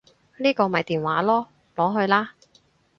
呢個咪電話囉，攞去啦